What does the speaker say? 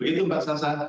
begitu mbak sasa